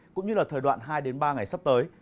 cũng như là thời đoạn hai ba ngày sắp tới